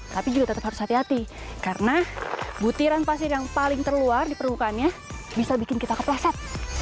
tapi juga tetap harus hati hati karena butiran pasir yang paling terluar di permukaannya bisa bikin kita kepleset